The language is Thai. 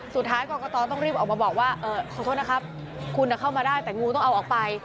สุดท้ายกรกตต้องรีบออกมาบอกว่าเออขอโทษนะครับคุณเข้ามาได้แต่งูต้องเอาออกไป